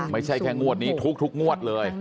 ไม่ใช่แค่งวดนี้ทุกงวดเลย